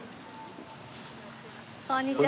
こんにちは。